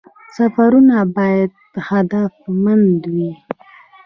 سفرونه باید هدفمند وي